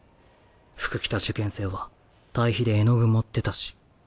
服着た受験生は対比で絵の具盛ってたし。